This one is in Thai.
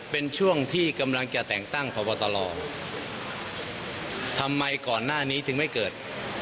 เป็นช่วงที่กำลังจะแต่งตั้งพบตรทำไมก่อนหน้านี้ถึงไม่เกิด